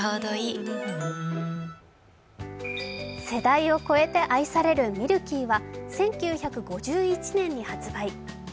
世代を超えて愛されるミルキーは１９５１年に発売。